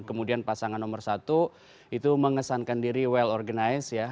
kemudian pasangan nomor satu itu mengesankan diri well organized ya